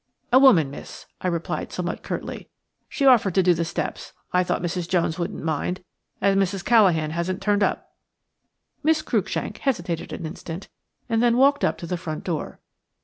"A woman, miss," I replied, somewhat curtly. "She offered to do the steps. I thought Mrs. Jones wouldn't mind, as Mrs. Callaghan hasn't turned up." Miss Cruikshank hesitated an instant, and then walked up to the front door.